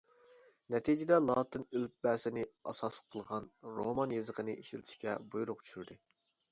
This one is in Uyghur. نەتىجىدە لاتىن ئېلىپبەسىنى ئاساس قىلغان رومان يېزىقىنى ئىشلىتىشكە بۇيرۇق چۈشۈردى.